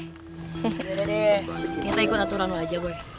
yaudah deh kita ikut aturan lo aja boy